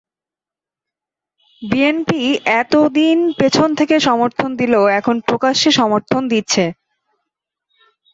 BNP এত দিন পেছন থেকে সমর্থন দিলেও এখন প্রকাশ্যে সমর্থন দিচ্ছে।